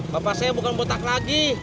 bapak saya bukan botak lagi